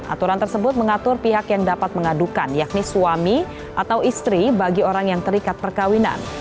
aturan tersebut mengatur pihak yang dapat mengadukan yakni suami atau istri bagi orang yang terikat perkawinan